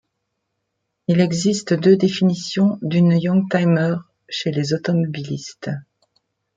Il existe deux définitions d'une youngtimer chez les automobilistes.